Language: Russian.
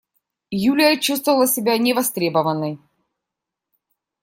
Юлия чувствовала себя невостребованной.